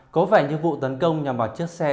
có vẻ như vụ tấn công nhằm vào chiếc xe